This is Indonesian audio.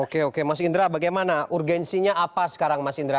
oke oke mas indra bagaimana urgensinya apa sekarang mas indra